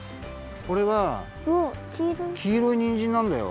これはきいろいにんじんなんだよ。